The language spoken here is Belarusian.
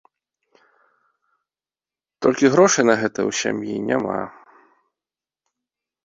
Толькі грошай на гэта ў сям'і няма.